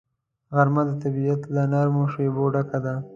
غرمه د طبیعت له نرمو شیبو ډکه ده